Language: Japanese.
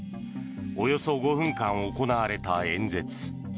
およそ５分間行われた演説。